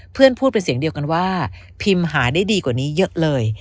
พูดเป็นเสียงเดียวกันว่าพิมพ์หาได้ดีกว่านี้เยอะเลย